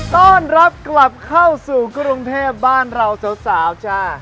ต้อนรับกลับเข้าสู่กรุงเทพบ้านเราสาวจ้า